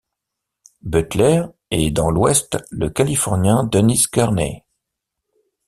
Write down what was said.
Butler et dans l'Ouest le Californien Dennis Kearney.